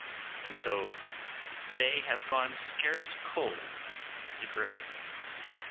And so they have gone scarce cold to the grave.